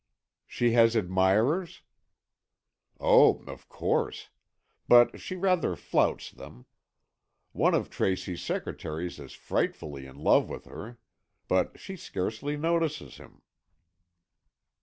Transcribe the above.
"She has admirers?" "Oh, of course. But she rather flouts them. One of Tracy's secretaries is frightfully in love with her. But she scarcely notices him."